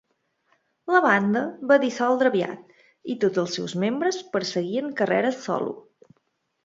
La banda va dissoldre aviat, i tots els seus membres perseguien carreres solo.